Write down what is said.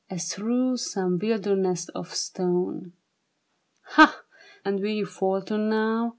As through some wilderness of stone. " Ha, slaves ! and will you falter now